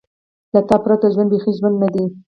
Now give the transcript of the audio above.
له تا پرته ژوند بېخي ژوند نه دی.